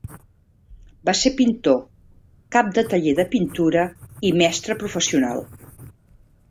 Va ser pintor, cap de taller de pintura i mestre professional.